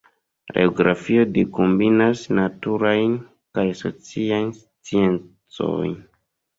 La geografio do kombinas naturajn kaj sociajn sciencojn.